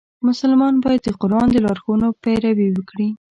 مسلمان باید د قرآن د لارښوونو پیروي وکړي.